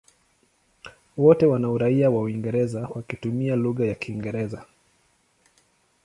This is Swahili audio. Wote wana uraia wa Uingereza wakitumia lugha ya Kiingereza.